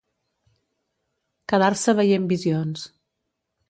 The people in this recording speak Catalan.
Quedar-se veient visions.